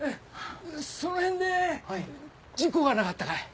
その辺で事故がなかったかい？